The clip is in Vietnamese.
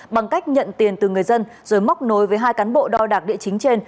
bằng cách nhận tiền từ người dân rồi móc nối với hai cán bộ đo đạc địa chính trên